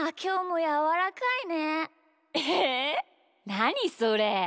なにそれ。